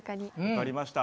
分かりました。